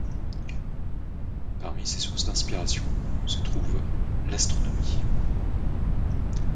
Parmi ses sources d'inspiration se trouve l'astronomie.